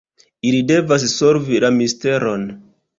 Ili devas solvi la misteron.